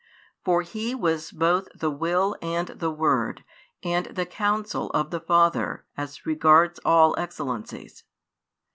For He was both the Will and the Word, and the Counsel of the Father as regards all excellencies.